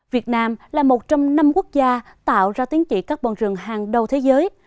việt nam là một trong năm quốc gia tạo ra tính trị carbon rừng hàng đầu thế giới